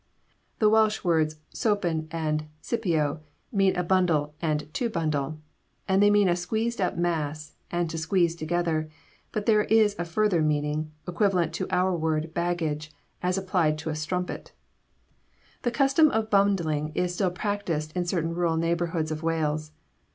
The Welsh words sopen and sypio mean a bundle and to bundle, and they mean a squeezed up mass, and to squeeze together; but there is a further meaning, equivalent to our word baggage, as applied to a strumpet. The custom of bundling is still practised in certain rural neighbourhoods of Wales.